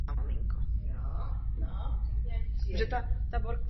Letoun byl navržen s poměrně malou nosnou plochou.